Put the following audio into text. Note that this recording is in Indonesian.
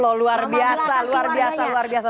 loh luar biasa luar biasa luar biasa